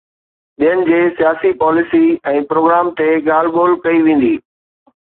ٻين جي سياسي پاليسي ۽ پروگرام تي ڳالهه ٻولهه ڪئي ويندي.